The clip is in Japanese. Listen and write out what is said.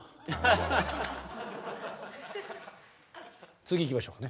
次いきましょうかね。